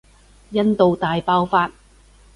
印度大爆發